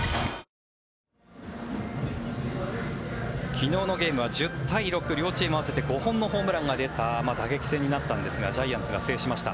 昨日のゲームは１０対６両チーム合わせて５本のホームランが出た打撃戦になったんですがジャイアンツが制しました。